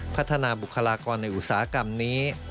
พัฒนาบุคลากรในอุตสาหกรรมนี้